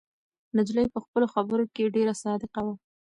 نجلۍ په خپلو خبرو کې ډېره صادقه وه.